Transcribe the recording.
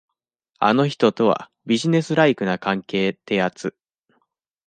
あの人とは、ビジネスライクな関係ってやつ。